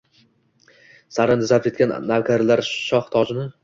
saroyni zabt etgan navkarlar shoh tojini